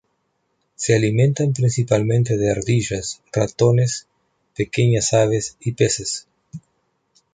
Se alimentan principalmente de ardillas, ratones, pequeñas aves y peces.